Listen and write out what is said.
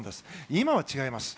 今は違います。